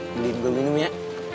beliin gue minumnya